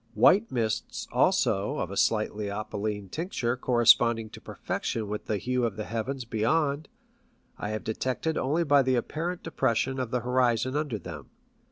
White mists also of a slightly opaline tincture corresponding to perfection with the hue of the heavens beyond, I have detected only by the apparent depression of the horizon under them.